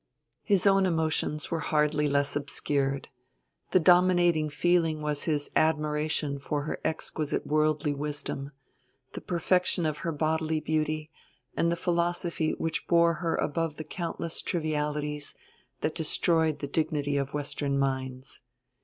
His own emotions were hardly less obscured: the dominating feeling was his admiration for her exquisite worldly wisdom, the perfection of her bodily beauty, and the philosophy which bore her above the countless trivialities that destroyed the dignity of western minds.